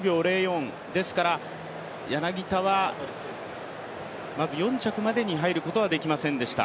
ですから、柳田はまず４着までに入ることはできませんでした。